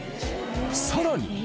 さらに。